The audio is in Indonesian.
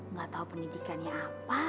nggak tau pendidikannya apa